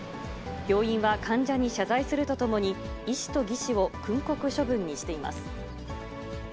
病院は患者に謝罪するとともに、医師と技士を訓告処分にしています。